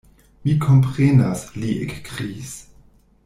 Mi komprenas, li ekkriis.